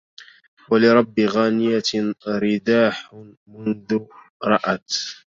ولرب غانية رداح مذ رأت